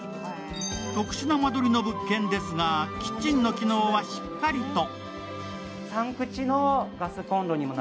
特殊な間取りの物件ですが、キッチンの機能はしっかりと。